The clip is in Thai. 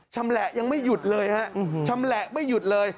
ชำแหละยังไม่หยุดเลยฮะชำแหละไม่หยุดเลย